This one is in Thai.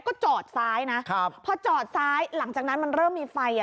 ก็จอดซ้ายนะครับพอจอดซ้ายหลังจากนั้นมันเริ่มมีไฟอ่ะ